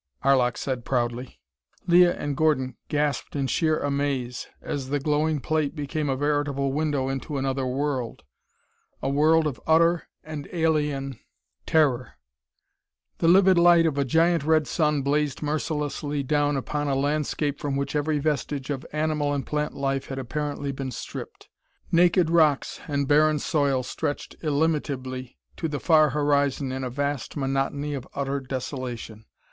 Arlok said proudly. Leah and Gordon gasped in sheer amaze as the glowing plate became a veritable window into another world a world of utter and alien terror. The livid light of a giant red sun blazed mercilessly down upon a landscape from which every vestige of animal and plant life had apparently been stripped. Naked rocks and barren soil stretched illimitably to the far horizon in a vast monotony of utter desolation.